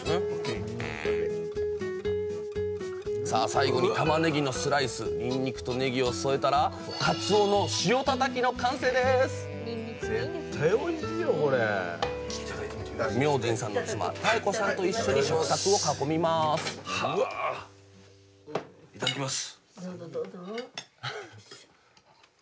最後にたまねぎのスライスにんにくとねぎを添えたら「かつおの塩タタキ」の完成です明神さんの妻妙子さんと一緒に食卓を囲みますいただきます！